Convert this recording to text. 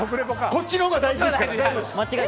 こっちのほうが大事ですから。